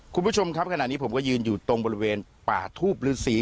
คุณผู้ชมครับขณะนี้ผมก็ยืนอยู่ตรงบริเวณป่าทูบฤษี